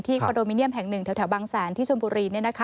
คอนโดมิเนียมแห่งหนึ่งแถวบางแสนที่ชนบุรี